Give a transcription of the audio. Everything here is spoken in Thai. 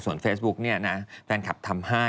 ส่วนเฟซบุ๊คนี่นะแฟนคลับทำให้